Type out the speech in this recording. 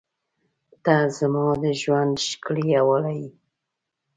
• ته زما د ژونده ښکلي حواله یې.